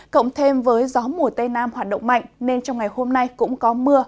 cộng thêm với gió mùa tây nam hoạt động mạnh nên trong ngày hôm nay cũng có mưa